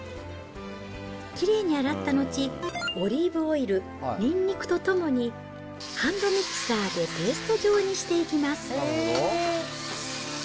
きれいに洗った後、オリーブオイル、ニンニクとともに、ハンドミキサーでペースト状にしていきます。